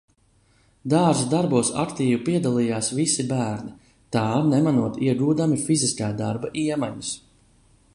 Dārza darbos aktīvi piedalījās visi bērni, tā nemanot iegūdami fiziskā darba iemaņas.